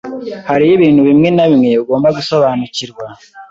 Hariho ibintu bimwe na bimwe ugomba gusobanukirwa.